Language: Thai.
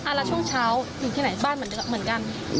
อ่าแล้วช่วงเช้าอยู่ที่ไหนบ้านเหมือนกัน